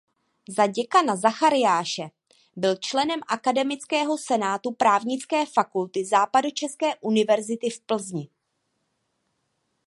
Za děkana Zachariáše byl členem akademického senátu Právnické fakulty Západočeské univerzity v Plzni.